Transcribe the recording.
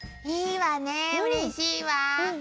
いいわねうれしいわ。